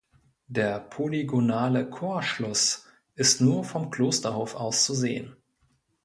Der polygonale Chorschluss ist nur vom Klosterhof aus zu sehen.